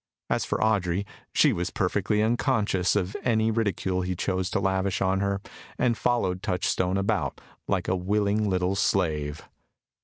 As for Audrey, she was perfectly unconscious of any ridicule he chose to lavish on her, and followed Touchstone about like a willing little slave.